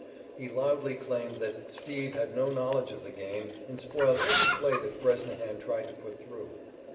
He loudly claimed that "Steve" had no knowledge of the game and spoiled every play that Bresnahan tried to put through.